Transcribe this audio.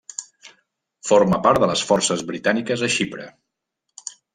Forma part de les Forces Britàniques a Xipre.